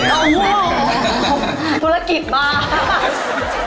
อุ้ยธุรกิจมาก